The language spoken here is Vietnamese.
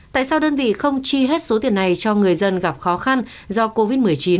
tại sao đơn vị không chi hết số tiền này cho người dân gặp khó khăn do covid một mươi chín